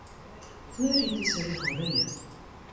Kleurje dizze rigel read.